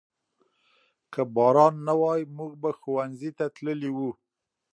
که باران نه وای موږ به ښوونځي ته تللي وو.